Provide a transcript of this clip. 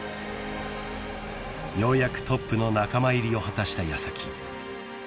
［ようやくトップの仲間入りを果たした矢先］